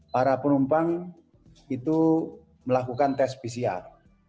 para penumpang itu melakukan tes pcr